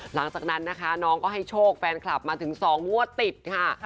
หลังจากนั้นนะคะน้องก็ให้โชคแฟนคลับมาถึง๒งวดติดค่ะ